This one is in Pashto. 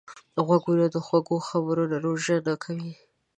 غوږونه د خوږو خبرو نه روژه نه کوي